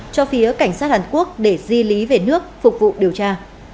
cho phía cảnh sát hàn quốc để di lý về nước phục vụ điều tra